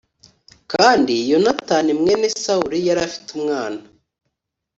kandi yonatani mwene sawuli yari afite umwana